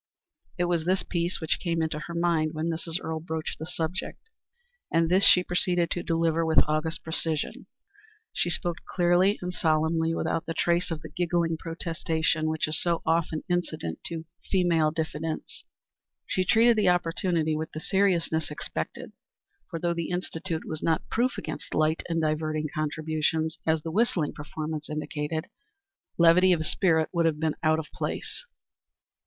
It was this piece which came into her mind when Mrs. Earle broached the subject, and this she proceeded to deliver with august precision. She spoke clearly and solemnly without the trace of the giggling protestation which is so often incident to feminine diffidence. She treated the opportunity with the seriousness expected, for though the Institute was not proof against light and diverting contributions, as the whistling performance indicated, levity of spirit would have been out of place.